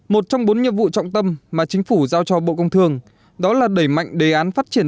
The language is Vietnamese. một trong bốn nhiệm vụ trọng tâm mà chính phủ giao cho bộ công thương đó là đẩy mạnh đề án phát triển